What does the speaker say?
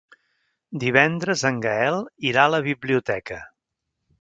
Divendres en Gaël irà a la biblioteca.